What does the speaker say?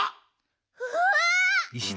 うわ！